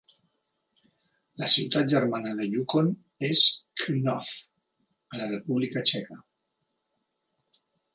La ciutat germana de Yukon és Krnov, a la República Txeca.